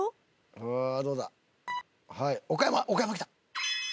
岡山きた！